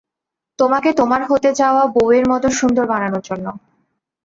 তোমাকে তোমার হতে যাওয়া বৌয়ের মতো সুন্দর বানানোর জন্য।